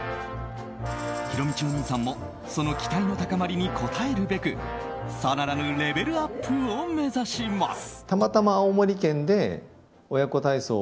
ひろみちお兄さんもその期待の高まりに応えるべく更なるレベルアップを目指します。